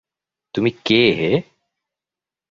তুমি কে হে?